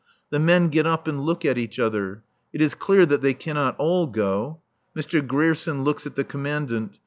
The men get up and look at each other. It is clear that they cannot all go. Mr. Grierson looks at the Commandant.